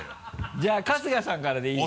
じゃあ春日さんからでいい？